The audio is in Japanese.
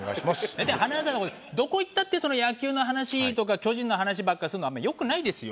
大体塙さんどこ行ったって野球の話とか巨人の話ばっかりするのあんまり良くないですよ。